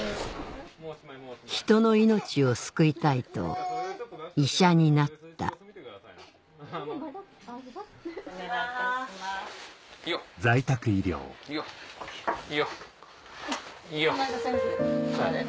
人の命を救いたいと医者になったよっよっよっ。